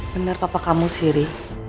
benar papa kamu sih ri